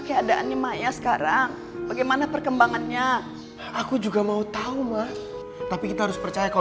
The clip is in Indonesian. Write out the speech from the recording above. keadaannya maya sekarang bagaimana perkembangannya aku juga mau tahu ma tapi kita harus percaya kau